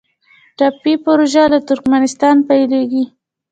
ټاپي پروژه له ترکمنستان پیلیږي